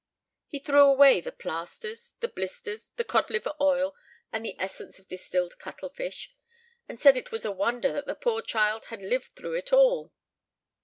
He threw away the plasters, the blisters, the cod liver oil, and the essence of distilled cuttlefish, and said it was a wonder that the poor child had lived through it all!